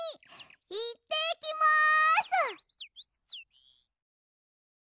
いってきます！